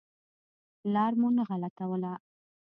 لار مو نه غلطوله.